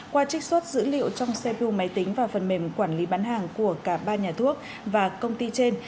qua trích xuất dữ liệu trong xe blue máy tính và phần mềm quản lý bán hàng của cả ba nhà thuốc và công ty trên